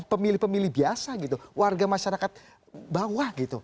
pemilih pemilih biasa gitu warga masyarakat bawah gitu